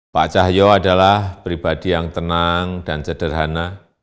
pak cahyo adalah pribadi yang tenang dan sederhana